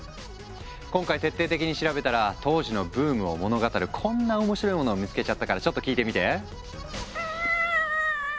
今回徹底的に調べたら当時のブームを物語るこんな面白いモノを見つけちゃったからちょっと聞いてみて！